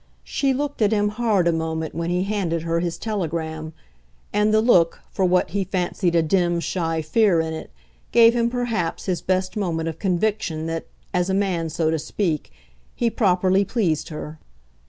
She looked at him hard a moment when he handed her his telegram, and the look, for what he fancied a dim, shy fear in it, gave him perhaps his best moment of conviction that as a man, so to speak he properly pleased her.